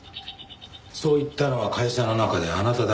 そう言ったのは会社の中であなただけでした。